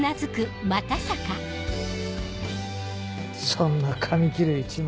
そんな紙切れ一枚で。